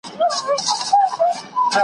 كه اورونه ابدي غواړئ بچيانو .